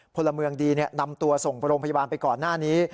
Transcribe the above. พลเมืองดีนำตัวส่งโรงพยาบาลไปก่อนหน้านี้